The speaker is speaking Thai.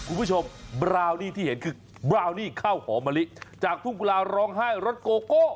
คุณผู้ชมบราวนี่ที่เห็นคือบราวนี่ข้าวหอมมะลิจากทุ่งกุลาร้องไห้รสโกโก้